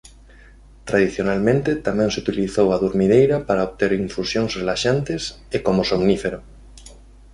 Tradicionalmente tamén se utilizou a durmideira para obter infusións relaxantes e como somnífero.